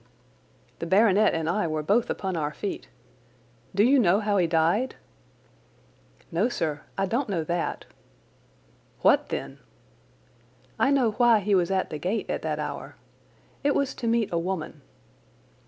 The baronet and I were both upon our feet. "Do you know how he died?" "No, sir, I don't know that." "What then?" "I know why he was at the gate at that hour. It was to meet a woman."